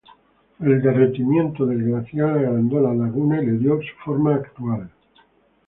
El derretimiento del glaciar agrandó la laguna y le dio su forma actual.